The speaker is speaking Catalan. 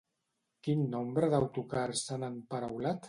Quin nombre d'autocars s'han emparaulat?